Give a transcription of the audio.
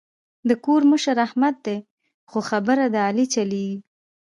د کور مشر احمد دی خو خبره د علي چلېږي.